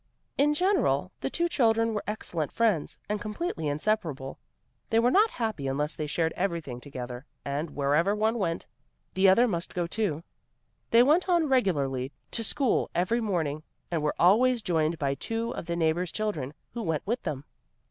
In general, the two children were excellent friends, and completely inseparable. They were not happy unless they shared everything together and wherever one went, the other must go too. They went regularly to school every morning, and were always joined by two of the neighbors' children, who went with them.